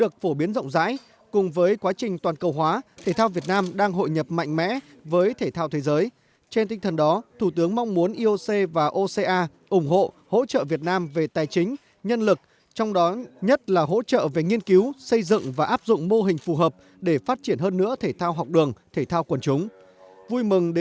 trong quá trình toàn cầu hóa thể thao việt nam đang hội nhập mạnh mẽ với thể thao thế giới trên tinh thần đó thủ tướng mong muốn ioc và oca ủng hộ hỗ trợ việt nam về tài chính nhân lực trong đó nhất là hỗ trợ về nghiên cứu xây dựng và áp dụng mô hình phù hợp để phát triển hơn nữa thể thao học đường thể thao quần chúng